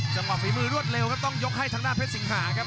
ฝีมือรวดเร็วครับต้องยกให้ทางด้านเพชรสิงหาครับ